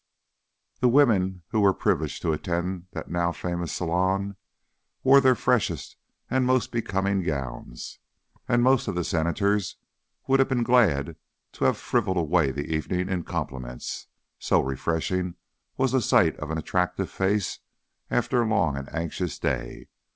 The women who were privileged to attend the now famous salon wore their freshest and most becoming gowns, and most of the Senators would have been glad to have frivoled away the evening in compliments, so refreshing was the sight of an attractive face after a long and anxious day.